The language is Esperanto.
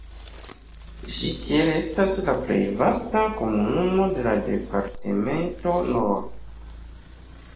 Ĝi tiel estas la plej vasta komunumo de la departemento Nord.